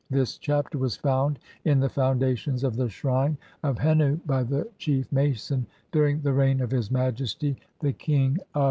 THIS CHAPTER WAS FOUND IN THE FOUNDATIONS OF THE SHRINE OF HENNU BY THE CHIEF MASON DURING THE REIGN OF HIS MAJESTY, THE KING OF 1.